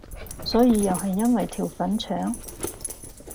所以又係因為條粉腸？